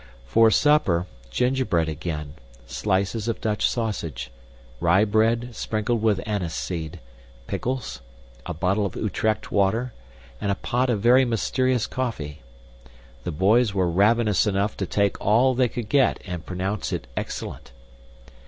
For supper, gingerbread again, slices of Dutch sausage, rye bread sprinkled with anise seed, pickles, a bottle of Utrecht water, and a pot of very mysterious coffee. The boys were ravenous enough to take all they could get and pronounce it excellent.